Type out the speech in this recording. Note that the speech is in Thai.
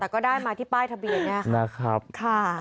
แต่ก็ได้มาที่ป้ายทะเบียนอย่างนี้ค่ะ